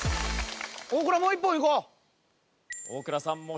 大倉さん